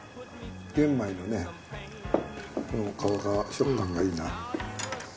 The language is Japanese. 玄米のねこの皮が食感がいいな。